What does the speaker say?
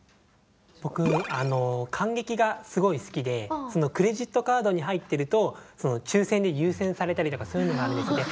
僕観劇がすごい好きでそのクレジットカードに入っていると抽選で優先されたりとかそういうのがあるんです。